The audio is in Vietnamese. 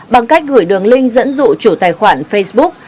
bằng cách gửi đường link dẫn dụ chủ tài khoản facebook